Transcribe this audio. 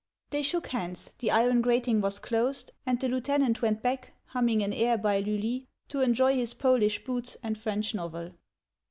They shook hands, the iron grating was closed, and the lieutenant went back, humming an air by Lully, to enjoy his Polish boots and French novel.